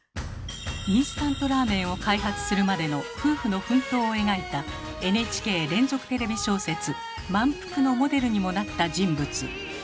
インスタントラーメンを開発するまでの夫婦の奮闘を描いたＮＨＫ連続テレビ小説「まんぷく」のモデルにもなった人物。